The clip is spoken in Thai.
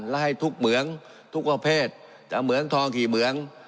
และให้ทุกเหมืองทุกประเภทจะเหมืองทองกี่เหมือง